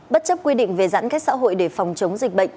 bất chấp quy định về giãn cách xã hội để phòng chống dịch bệnh